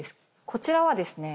こちらはですね